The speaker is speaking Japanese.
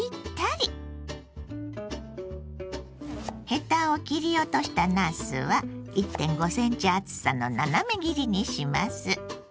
ヘタを切り落としたなすは１．５ｃｍ厚さの斜め切りにします。